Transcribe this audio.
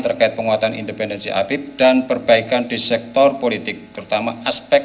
terkait penguatan independensi habib dan perbaikan di sektor politik terutama aspek